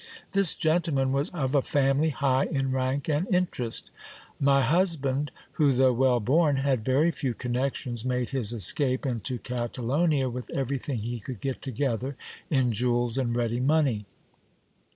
This gentle man was of a family high in rank and interest My husband, who though well born, had very few connections, made his escape into Catalonia with every thing he could get together in jewels and ready money.